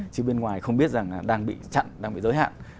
chứ bên ngoài không biết rằng là đang bị chặn đang bị giới hạn